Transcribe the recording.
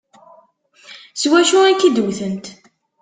S wacu i k-id-wtent?